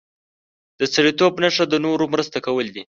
د سړیتوب نښه د نورو مرسته کول دي.